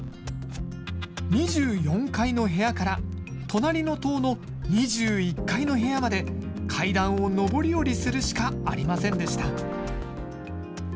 ２４階の部屋から隣の棟の２１階の部屋まで階段を上り下りするしかありませんでした。